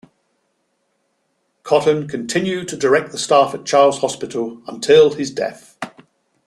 Cotton continued to direct the staff at Charles Hospital until his death.